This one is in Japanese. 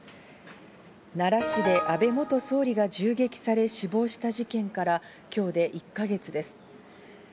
奈良市で安倍元総理が銃撃され死亡した事件から今日で１か月です。